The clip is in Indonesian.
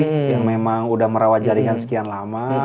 yang memang udah merawat jaringan sekian lama